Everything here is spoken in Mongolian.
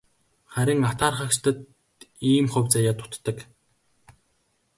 Харин атаархагчдад ийм хувь заяа дутдаг.